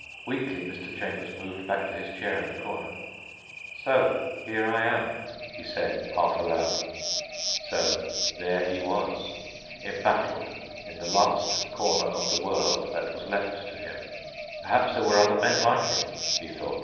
Weakly Mr. Chambers moved back to his chair in the corner. "So here I am," he said, half aloud. So there he was. Embattled in the last corner of the world that was left to him. Perhaps there were other men like him, he thought.